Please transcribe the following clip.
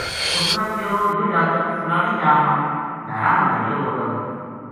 اُس نا کہیو یوہ جاتک فلانی جا ما ڈھارا ما دھریو وو لَبھو